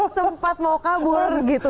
sempat mau kabur gitu